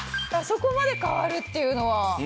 あそこまで変わるっていうのは。